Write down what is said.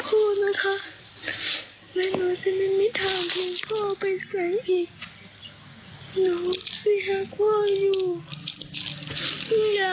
หนูรู้สึกไม่แตกการกิจรอพ่อลงมีหนูไปด้วยล่ะ